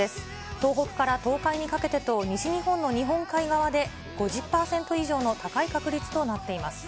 東北から東海にかけてと、西日本の日本海側で５０％以上の高い確率となっています。